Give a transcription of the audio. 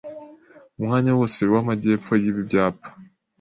Umwanya wose wamajyepfo yibi byapa